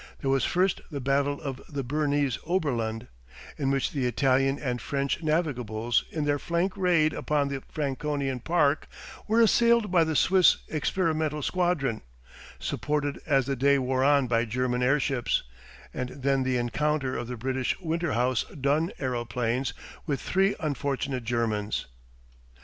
There was first the battle of the Bernese Oberland, in which the Italian and French navigables in their flank raid upon the Franconian Park were assailed by the Swiss experimental squadron, supported as the day wore on by German airships, and then the encounter of the British Winterhouse Dunn aeroplanes with three unfortunate Germans.